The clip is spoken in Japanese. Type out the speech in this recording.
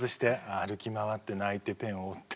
歩き回って泣いてペンを折って。